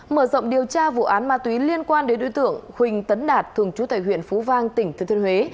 mở rộng điều tra vụ án ma túy liên quan đến đối tượng huỳnh tấn đạt thường chú tài huyện phú vang tỉnh thư thuyên huế